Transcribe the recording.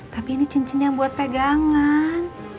tapi ini cincin yang buat pegangan